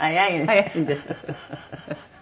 早いんです。